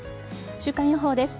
週間予報です。